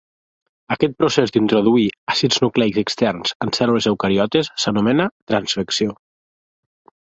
Aquest procés d'introduir àcids nucleics externs en cèl·lules eucariotes s'anomena transfecció.